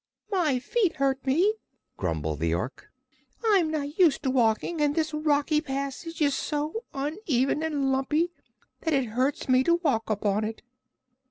"My feet hurt me," grumbled the Ork. "I'm not used to walking and this rocky passage is so uneven and lumpy that it hurts me to walk upon it."